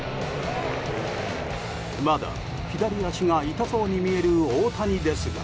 まだ左足が痛そうに見える大谷ですが。